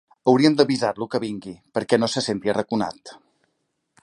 Hauríem d'avisar-lo que vingui, perquè no se senti arraconat.